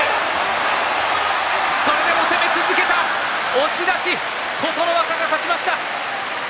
押し出し琴ノ若が勝ちました。